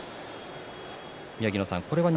宮城野さん、錦